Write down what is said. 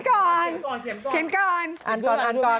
ก่อนเขียนก่อนอ่านก่อนอ่านก่อน